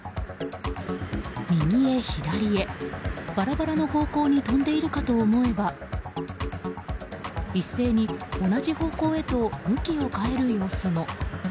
右へ左へバラバラの方向に飛んでいるかと思えば一斉に同じ方向へと向きを変える様子も。